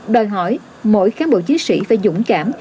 đòi hỏi mỗi cán bộ chiến sĩ phải dũng cảm